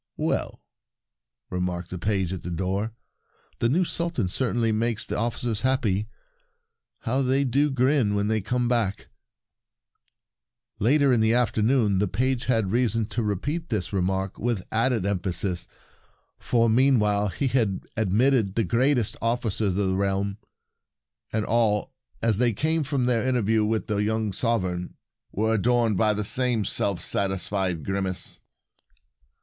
"Well," remarked the page at the door, "the new Sultan certainly makes the officers happy ! How they do grin when they come back !" Later in the afternoon the page had reason to repeat this remark with added emphasis; for meanwhile he had admitted Why Do They Smile? Verses 65 the greatest officers of the A Grand realm, and all, as they came Official from their interview with the young sovereign, were adorned by the same self satisfied grim ace.